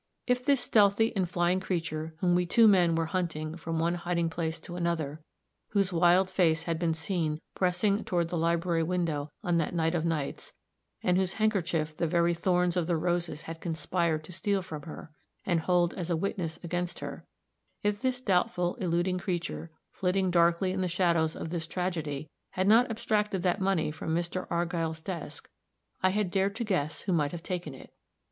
If this stealthy and flying creature whom we two men were hunting from one hiding place to another, whose wild face had been seen pressing toward the library window on that night of nights, and whose handkerchief the very thorns of the roses had conspired to steal from her, and hold as a witness against her if this doubtful, eluding creature, flitting darkly in the shadows of this tragedy, had not abstracted that money from Mr. Argyll's desk, I had dared to guess who might have taken it.